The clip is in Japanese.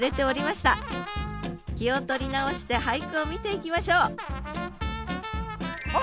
気を取り直して俳句を見ていきましょうあっ